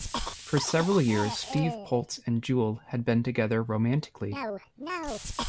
For several years, Steve Poltz and Jewel had been together romantically.